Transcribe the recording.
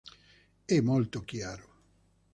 È molto chiaro.